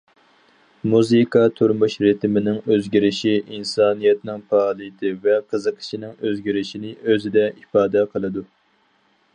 مۇزىكا تۇرمۇش رىتىمىنىڭ ئۆزگىرىشى، ئىنسانىيەتنىڭ پائالىيىتى ۋە قىزىقىشىنىڭ ئۆزگىرىشىنى ئۆزىدە ئىپادە قىلىدۇ.